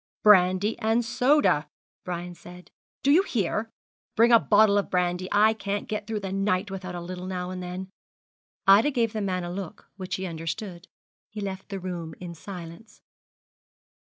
'Brandy and soda,' Brian said; 'do you hear? Bring a bottle of brandy. I can't get through the night without a little now and then.' Ida gave the man a look which he understood. He left the room in silence.